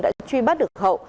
đã truy bắt được hậu